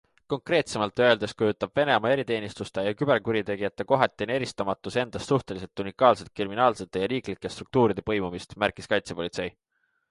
Konkreetsemalt öeldes kujutab Venemaa eriteenistuste ja küberkurjategijate kohatine eristamatus endast suhteliselt unikaalset kriminaalsete ja riiklike struktuuride põimumist, märkis kaitsepolitsei.